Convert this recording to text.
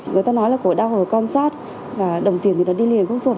người ta nói là cổ đau ở con sót và đồng tiền thì nó đi liền khúc ruột